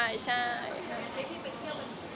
เข้าที่ไปเที่ยวกัน